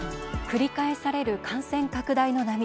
繰り返される感染拡大の波。